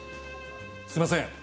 すみません。